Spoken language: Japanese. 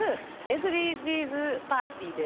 ＳＤＧｓパーティーです。